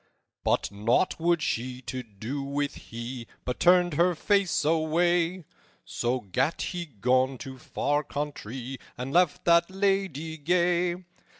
"But nought would she to do with he, But turned her face away; So gat he gone to far countrye, And left that lady gay.